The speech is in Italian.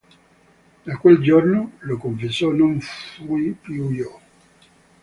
Da quel giorno, lo confesso, non fui più io.